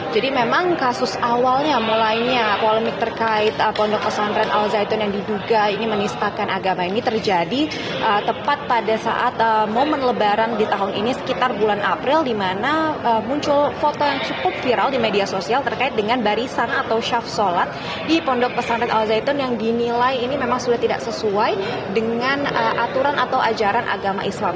jadi memang kasus awalnya mulainya polemik terkait pondok kesatuan al zaidun yang diduga ini menistakan agama ini terjadi tepat pada saat momen lebaran di tahun ini sekitar bulan april dimana muncul foto yang cukup viral di media sosial terkait dengan barisan atau syaf sholat di pondok kesatuan al zaidun yang dinilai ini memang sudah tidak sesuai dengan aturan atau ajaran agama islam